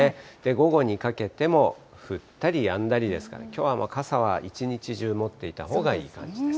午後にかけても、降ったりやんだりですから、きょうはもう傘は一日中持っていたほうがいい感じです。